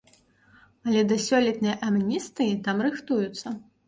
Але да сёлетняй амністыі там рыхтуюцца.